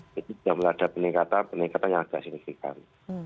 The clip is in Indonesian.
jadi sudah meladak peningkatan peningkatan yang agak signifikan